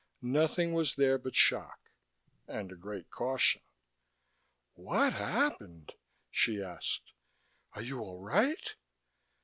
Nothing was there but shock, and a great caution. "What happened?" she asked. "Are you all right?"